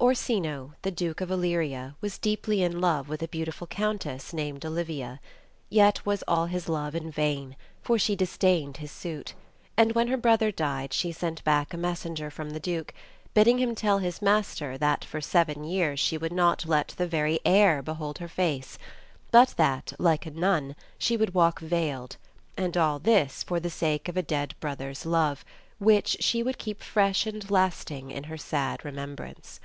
ORSINO, the Duke of Illyria, was deeply in love with a beauti ful Countess, named Olvia. Yet was all his love in vain, for she disdained his suit ; and when her brother died, she sent back a messenger from the Duke, bidding him tell his master that for seven years she would not let the very air behold her face, but that, like a nun, she would walk veiled; and all this for the sake of a dead brother's love, which she would keep fresh and lasting in her sad remembrance.